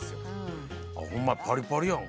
ホンマやパリパリやん。